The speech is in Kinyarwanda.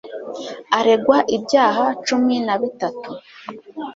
Aregwa ibyaha cumin a bitatu